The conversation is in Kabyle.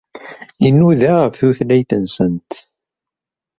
Inuda ɣef tutlayt-nsent.